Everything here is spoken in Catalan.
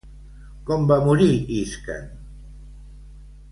Com va morir Isquen?